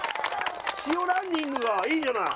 塩ランニングがいいじゃない。